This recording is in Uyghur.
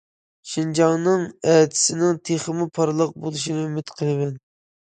شىنجاڭنىڭ ئەتىسىنىڭ تېخىمۇ پارلاق بولۇشىنى ئۈمىد قىلىمەن!